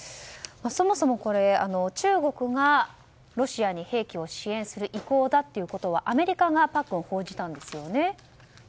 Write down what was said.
そもそも、これ中国がロシアに兵器を支援する意向だということはアメリカが報じたんですよね。